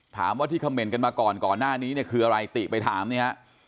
ถามว่าที่คำเมนต์กันมาก่อนก่อนหน้านี้เนี่ยคืออะไรติไปถามเนี่ยฮะ